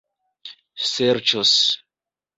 serĉos